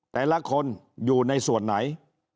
แต่ละคนอยู่ในส่วนไหน